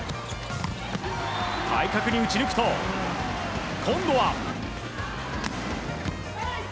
対角に打ち抜くと、今度は。